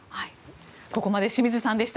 ここまで清水さんでした。